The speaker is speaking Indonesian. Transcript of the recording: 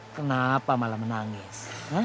kenapa malah menangis